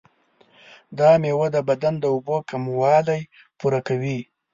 دا میوه د بدن د اوبو کموالی پوره کوي.